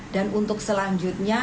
dan untuk selanjutnya